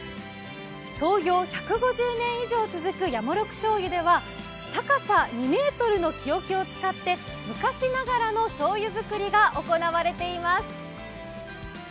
創業１５０年以上続くヤマロク醤油では高さ２ｍの木おけを使って昔ながらのしょうゆ造りが行われています。